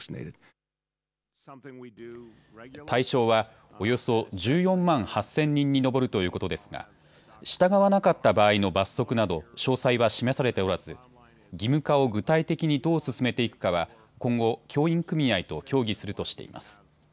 対象はおよそ１４万８０００人に上るということですが従わなかった場合の罰則など詳細は示されておらず義務化を具体的にどう進めていくかは今後、教員組合と協議するとしています。